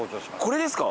これですか？